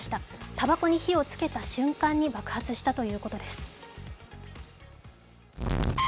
たばこに火をつけた瞬間に爆発したということです。